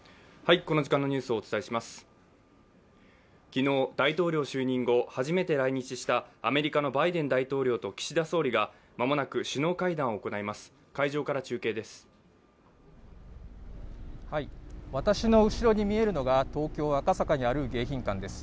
昨日、大統領就任後初めて来日したアメリカのバイデン大統領と岸田総理が間もなく首脳会談を行います。